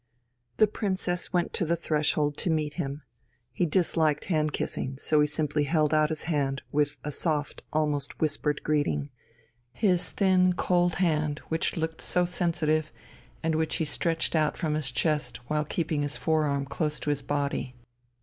The Princess went to the threshold to meet him. He disliked hand kissing, so he simply held out his hand with a soft almost whispered greeting his thin, cold hand which looked so sensitive and which he stretched out from his chest while keeping his forearm close to his body.